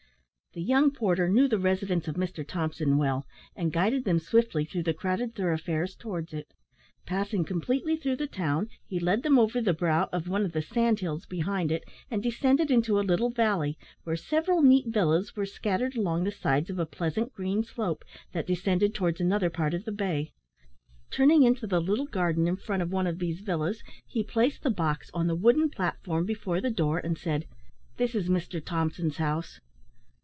The young porter knew the residence of Mr Thompson well, and guided them swiftly through the crowded thoroughfares towards it. Passing completely through the town, he led them over the brow of one of the sand hills beyond it, and descended into a little valley, where several neat villas were scattered along the sides of a pleasant green slope, that descended towards another part of the bay. Turning into the little garden in front of one of these villas, he placed the box on the wooden platform before the door, and said, "This is Mr Thompson's house."